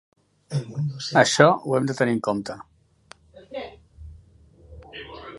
Això ho hem de tenir en compte.